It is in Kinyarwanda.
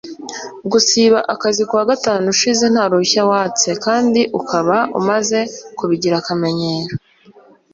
gusiba akazi ku wa gatanu ushize nta ruhushya watse. kandi ukaba umaze kubigira akamenyero